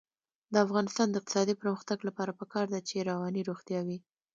د افغانستان د اقتصادي پرمختګ لپاره پکار ده چې رواني روغتیا وي.